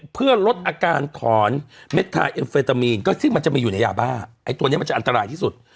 เพื่อลดอาการถอนเม็ดทาเอ็มเฟตามีนก็ซึ่งมันจะมีอยู่ในยาบ้าไอ้ตัวนี้มันจะอันตรายที่สุด